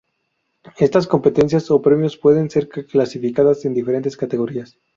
Estas competencias o premios pueden ser clasificadas en diferentes categorías.